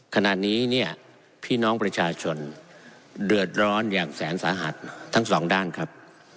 ขณะนี้เนี่ยพี่น้องประชาชนเดือดร้อนอย่างแสนสาหัสทั้งสองด้านครับ